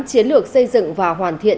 chiến lược xây dựng và hoàn thiện